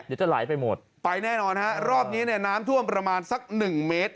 เดี๋ยวจะไหลไปหมดไปแน่นอนฮะรอบนี้เนี่ยน้ำท่วมประมาณสักหนึ่งเมตร